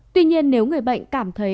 tuy nhiên nếu người bệnh cảm thấy